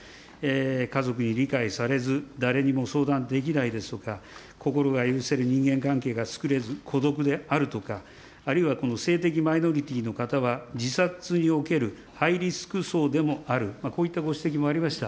家族に理解されず、誰にも相談できないですとか、心が許せる人間関係が作れず孤独であるとか、あるいは性的マイノリティーの方は自殺におけるハイリスク層でもある、こういったご指摘もありました。